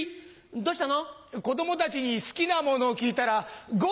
どうしたの？